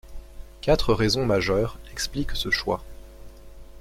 Quatre raisons majeures expliquent ce choix.